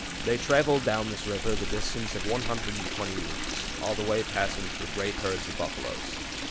They traveled down this river the distance of 120 leagues, all the way passing through great herds of buffaloes."